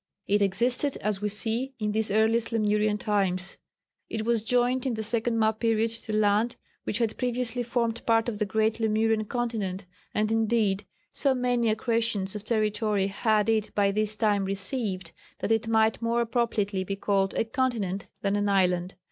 It existed, as we see, in these earliest Lemurian times. It was joined in the second map period to land which had previously formed part of the great Lemurian continent; and indeed, so many accretions of territory had it by this time received that it might more appropriately be called a continent than an island.